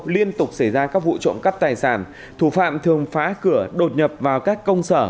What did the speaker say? liên tục xảy ra các vụ trộm cắp tài sản thủ phạm thường phá cửa đột nhập vào các công sở